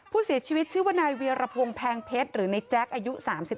ผู้เสียชีวิตชื่อว่านายเวียรพงศ์แพงเพชรหรือในแจ๊คอายุ๓๓